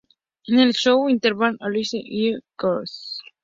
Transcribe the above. En el show intervenían Alice y Ellen Kessler.